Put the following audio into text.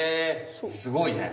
すごいね。